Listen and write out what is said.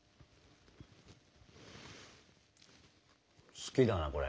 好きだなこれ。